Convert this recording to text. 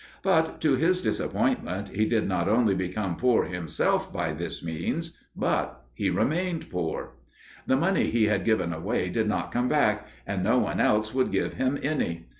But, to his disappointment, he did not only become poor himself by this means, but he remained poor. The money he had given away did not come back, and no one else would give him any.